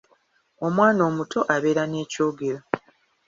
Omwana omuto abeera ne kyogero.